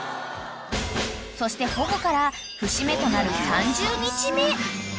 ［そして保護から節目となる３０日目］